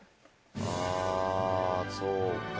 あぁそうか。